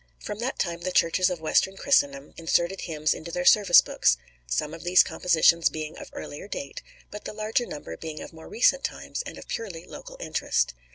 From that time the Churches of Western Christendom inserted hymns in their service books, some of these compositions being of earlier date, but the larger number being of more recent times and of purely local interest.